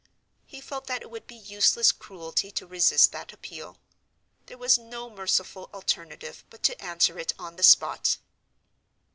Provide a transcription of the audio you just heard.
He felt that it would be useless cruelty to resist that appeal. There was no merciful alternative but to answer it on the spot.